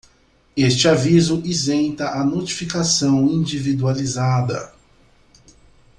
Este aviso isenta a notificação individualizada.